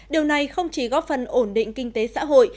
điều này không chỉ góp phần ổn định kinh tế xã hội